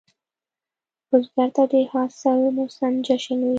بزګر ته د حاصل موسم جشن وي